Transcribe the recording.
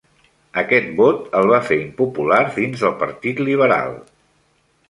Aquest vot el va fer impopular dins del partit liberal.